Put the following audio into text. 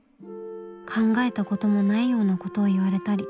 考えたこともないようなことを言われたり